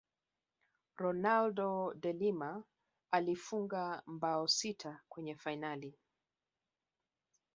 ronaldo de Lima alifunga mabao sita kwenye fainali